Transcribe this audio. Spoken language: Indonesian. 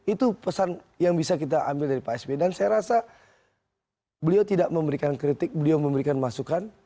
itu pesan yang bisa kita ambil dari pak sby dan saya rasa beliau tidak memberikan kritik beliau memberikan masukan